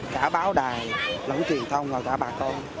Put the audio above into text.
cả báo đài lẫn truyền thông và cả bà con